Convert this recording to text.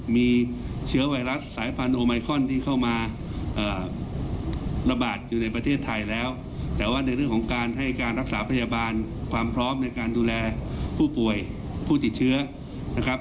มีเชื้อไวรัสสายพันธุ์โอมิครอนที่เข้ามาระบาดอยู่ในประเทศไทยแล้ว